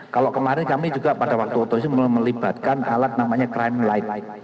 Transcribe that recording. kalau kemarin kami juga pada waktu otopsi melibatkan alat namanya crime light